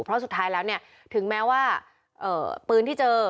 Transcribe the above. เพราะสุดท้ายแล้วเนี่ยถึงแม้ว่าปืนที่เจอ